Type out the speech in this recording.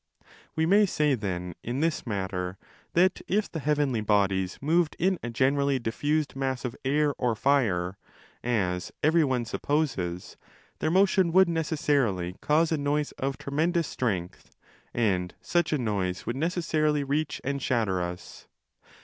We may say, then, in this matter that if the heavenly bodies moved in a generally diffused mass of air or fire, as every one supposes, their motion would necessarily cause a noise of tremendous strength and such a noise would necessarily reach and shatter us.!